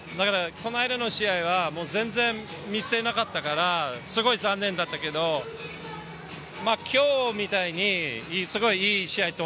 この間の試合は全然見せなかったからすごい残念だったけど、今日みたいにすごい試合。